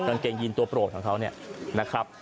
กางเกงยีนตัวโปรดของเขาเนี่ยนะครับ